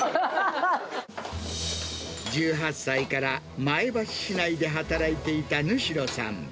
１８歳から、前橋市内で働いていた主代さん。